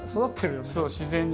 そう自然に。